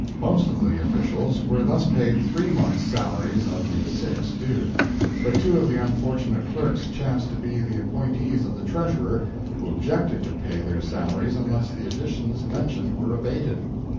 Most of the officials were thus paid three months' salaries of the six due. But two of the unfortunate clerks chance to be the appointees of the Treasurer, who objected to pay their salaries unless the additions mentioned were abated.